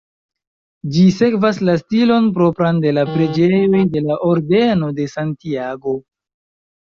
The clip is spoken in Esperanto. Ĝi sekvas la stilon propran de la preĝejoj de la Ordeno de Santiago.